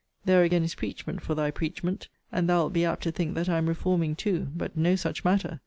There again is preachment for thy preachment; and thou wilt be apt to think that I am reforming too: but no such matter.